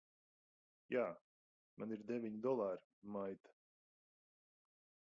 Jā. Man ir deviņi dolāri, maita!